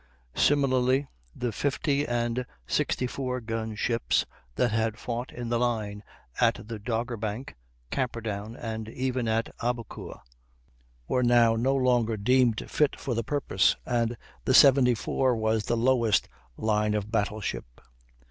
Similarly the 50 and 64 gun ships that had fought in the line at the Doggerbank, Camperdown, and even at Aboukir, were now no longer deemed fit for the purpose, and the 74 was the lowest line of battle ship.